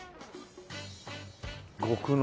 「極濃」